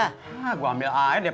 hah gua ambil air deh